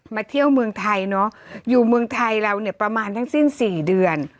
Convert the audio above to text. เที่ยวเมืองไทยเนอะอยู่เมืองไทยเราเนี่ยประมาณทั้งสิ้น๔เดือน